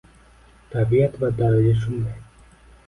Tabiat va daraja shunday